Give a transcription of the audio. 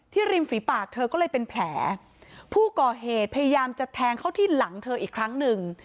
ริมฝีปากเธอก็เลยเป็นแผลผู้ก่อเหตุพยายามจะแทงเข้าที่หลังเธออีกครั้งหนึ่ง